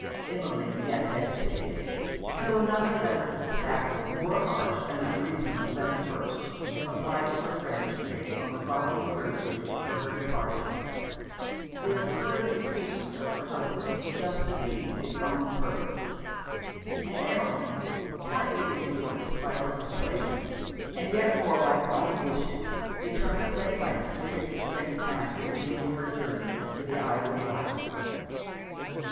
Emmeline yet hesitated; till another letter from Stafford, more harsh and unreasonable than the first, obliged her friend to fix on the following Thursday for her departure; the absurd impatience of her husband thus defeating it's own purpose; and Emmeline, partly influenced by her persuasions, and yet more by her own wishes, determined at length to fix the same time for beginning her journey to the Isle of Wight.